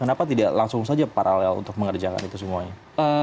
kenapa tidak langsung saja paralel untuk mengerjakan itu semuanya